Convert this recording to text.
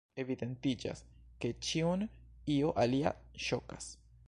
Evidentiĝas, ke ĉiun io alia ŝokas.